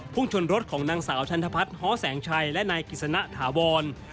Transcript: พ่วงชนรถของนางสาวชันธพัฒน์ฮแสงชัยและนายกิษณะถาวร